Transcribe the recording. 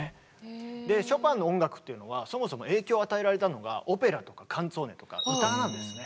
ショパンの音楽っていうのはそもそも影響を与えられたのがオペラとかカンツォーネとか歌なんですね。